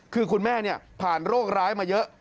คือคุณแม่ผ่านโรคร้ายมาเยอะ